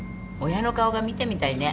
親の顔が見てみたいね